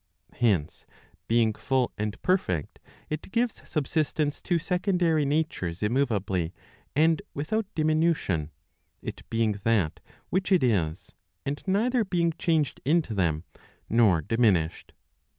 Hence, being full and perfect, it gives subsist¬ ence to secondary natures immoveably and without diminution, it being that which it is, and neither being changed into them, nor diminished.